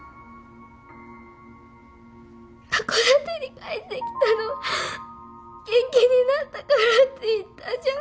函館に帰ってきたのは元気になったからって言ったじゃん。